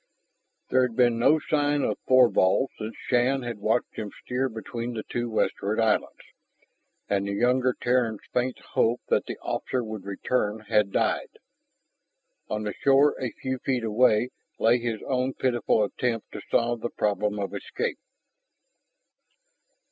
There had been no sign of Thorvald since Shann had watched him steer between the two westward islands. And the younger Terran's faint hope that the officer would return had died. On the shore a few feet away lay his own pitiful attempt to solve the problem of escape.